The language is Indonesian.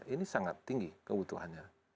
ini sangat tinggi kebutuhannya